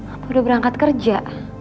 apa udah berangkat kerja